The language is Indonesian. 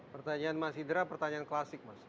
pertanyaan mas indra pertanyaan klasik mas